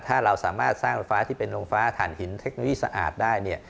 ถ้าเราสามารถสร้างโรงไฟฟ้าที่เป็นโรงฟ้าฐานหินเทคโนโลยีสะอาดได้เนี่ย